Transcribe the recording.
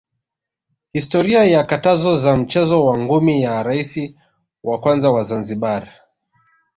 historia ya katazo za mchezo wa ngumi ya raisi wa kwanza wa Zanzibar